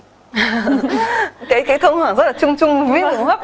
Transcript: cái thông hoảng rất là chung chung viêm đường hô hấp